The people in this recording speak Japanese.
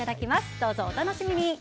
どうぞ、お楽しみに！